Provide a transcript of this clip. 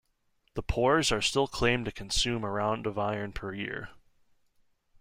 The pours are still claimed to consume around of iron per year.